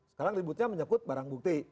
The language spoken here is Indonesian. sekarang ributnya menyangkut barang bukti